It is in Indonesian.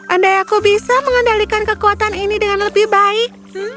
andai aku bisa mengendalikan kekuatan ini dengan lebih baik